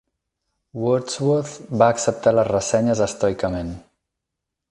Wordsworth va acceptar les ressenyes estoicament.